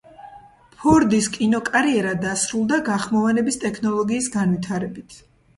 ფორდის კინოკარიერა დასრულდა გახმოვანების ტექნოლოგიის განვითარებით.